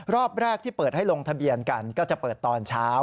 รอบแรกที่เปิดให้ลงทะเบียนกันก็จะเปิดตอนเช้า